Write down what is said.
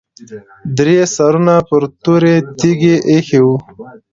درې سرونه پر تورې تیږې ایښي وو.